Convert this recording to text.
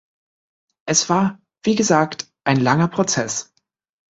Es war, wie gesagt, ein langer Prozess.